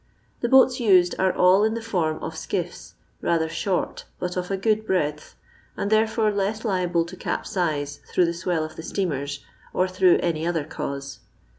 The boats used are all in the form of skitf:*, rather short, but of a good breadth, and therefore less liable to capsize through the swell of the steamers, or through any other cause.